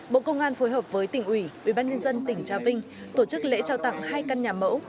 bộ công an phối hợp với tỉnh ủy ubnd tỉnh trà vinh tổ chức lễ trao tặng hai căn nhà mẫu